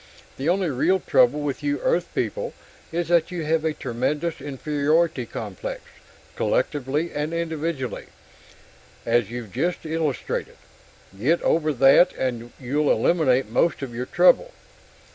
"The only real trouble with you Earth people is that you have a tremendous inferiority complex, collectively and individually as you've just illustrated. Get over that and you'll eliminate most of your trouble.